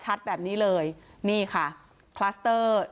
ชุมชนแฟลต๓๐๐๐๐คนพบเชื้อ๓๐๐๐๐คนพบเชื้อ๓๐๐๐๐คนพบเชื้อ๓๐๐๐๐คน